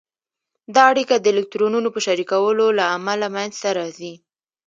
دا اړیکه د الکترونونو په شریکولو له امله منځته راځي.